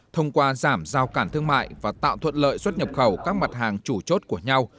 thông qua giảm giao cản thương mại và tạo thuận lợi xuất nhập khẩu các mặt hàng chủ chốt của nhau